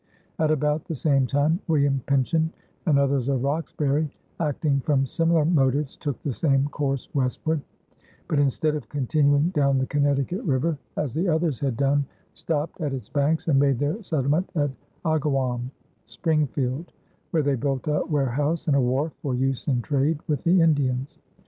At about the same time, William Pynchon and others of Roxbury, acting from similar motives, took the same course westward, but instead of continuing down the Connecticut River, as the others had done, stopped at its banks and made their settlement at Agawam (Springfield), where they built a warehouse and a wharf for use in trade with the Indians.